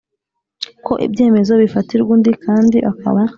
Ko ibyemezo bifatirwa undi kandi akaba